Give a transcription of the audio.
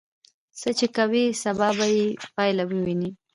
څه چې نن کوې، سبا به یې پایله ووینې.